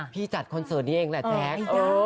จัดคอนเสิร์ตนี้เองแหละแจ๊ค